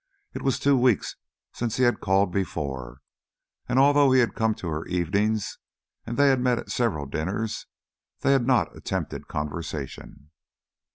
It was two weeks since he had called before, and although he had come to her evenings and they had met at several dinners, they had not attempted conversation.